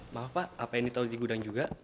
maaf pak apa ini tau di gudang juga